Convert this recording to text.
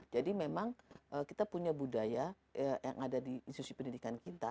jadi memang kita punya budaya yang ada di institusi pendidikan kita